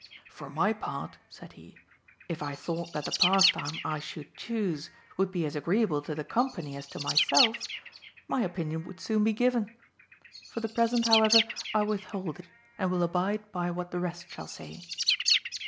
"For my part," said he, "if I thought that the pastime I should choose would be as agreeable to the company as to myself, my opinion would soon be given. For the present, however, I withhold it, and will abide by what the rest shall say."